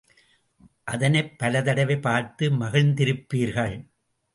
அதனைப் பலதடவை பார்த்து மகிழ்ந்திருப்பீர்கள்.